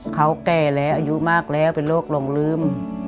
เขาแก่แล้วอายุมากแล้วเป็นโรคหลงลืม